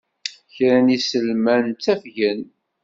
Kra n yiselman ttafgen.